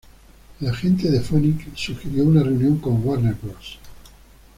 El agente de Phoenix sugirió una reunión con Warner Bros.